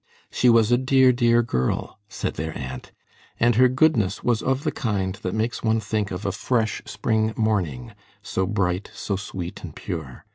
"She was a dear, dear girl," said their aunt, "and her goodness was of the kind that makes one think of a fresh spring morning, so bright, so sweet, and pure.